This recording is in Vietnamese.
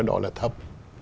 đó là thấp